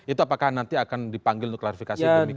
itu apakah nanti akan dipanggil untuk klarifikasi demi kepentingan